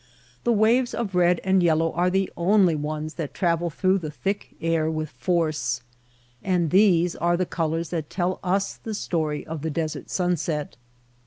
The waves of red and yellow are the only ones that travel through the thick air with force. And these are the colors that tell us the story of the desert sunset.